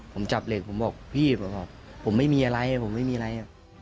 ผมจับเหล็กพี่ก็บอกผมไม่มีอะไร